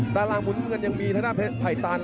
ด้านล่างหมุนมือมันยังมีทางหน้าไพร์ตัน